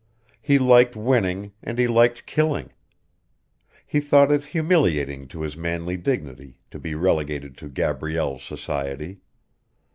He liked winning and he liked killing; he thought it humiliating to his manly dignity to be relegated to Gabrielle's society.